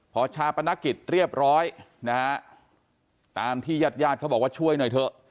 พอชาปนกิจเรียบร้อยนะฮะตามที่ญาติญาติเขาบอกว่าช่วยหน่อยเถอะ